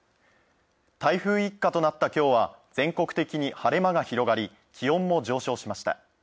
台風一過となった今日は全国的に晴れ間が広がり、気温も上昇しました。